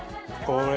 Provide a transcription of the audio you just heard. これ。